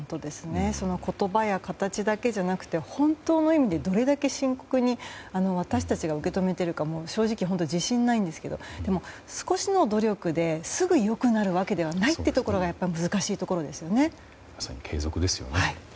その言葉や形だけじゃなくて本当の意味でどれだけ深刻に私たちが受け止めているか正直本当に自信はないんですがでも、少しの努力ですぐ良くなるわけではないというところがやっぱり難しいところですね。